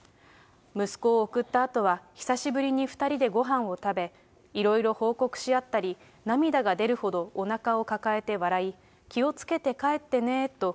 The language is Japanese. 息子を送ったあとは久しぶりに２人でごはんを食べ、いろいろ報告し合ったり、涙が出るほどおなかを抱えて笑い、気をつけて帰ってねーと。